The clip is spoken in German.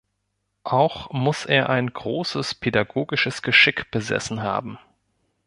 Auch muss er ein großes pädagogisches Geschick besessen haben.